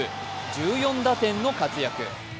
１４打点の活躍。